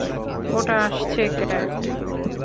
ওটা আসছে, ক্যাট!